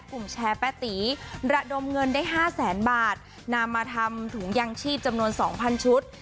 กลับสนามถุงยั่งชีพจำนวน๒๐๐๐ชุด